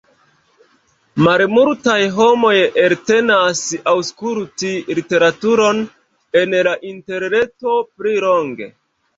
Malmultaj homoj eltenas aŭskulti literaturon en la interreto pli longe.